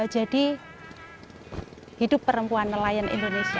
jadi hidup perempuan nelayan indonesia